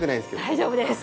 大丈夫です。